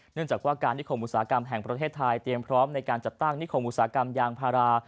เนื่องจากว่าการนิคมอุตสาหกรรมแห่งประเทศไทยเตรียมพร้อมในการจัดตั้งนิคมอุตสาหกรรมยางพารา